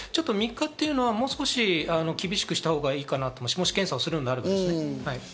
３日というのはもう少し厳しくしたほうがいいかなと、もし検査をするならですね。